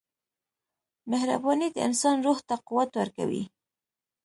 • مهرباني د انسان روح ته قوت ورکوي.